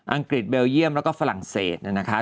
องกฤษเบลเยี่ยมแล้วก็ฝรั่งเศสเนี่ยนะคะ